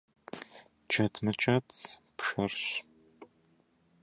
Джэд мыкӀэцӀ пшэрщ.